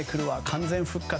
完全復活。